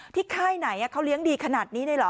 ค่ายไหนเขาเลี้ยงดีขนาดนี้เลยเหรอ